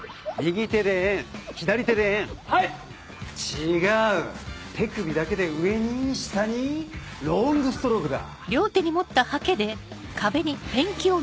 手首だけで上に下にロングストロークだ